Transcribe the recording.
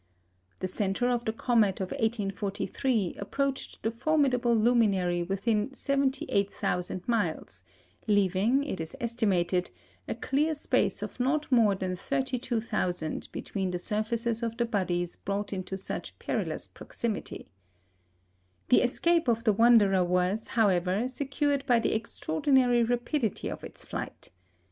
The centre of the comet of 1843 approached the formidable luminary within 78,000 miles, leaving, it is estimated, a clear space of not more than 32,000 between the surfaces of the bodies brought into such perilous proximity. The escape of the wanderer was, however, secured by the extraordinary rapidity of its flight.